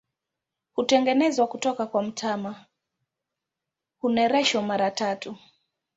Hutengenezwa kutoka kwa mtama, hunereshwa mara tatu.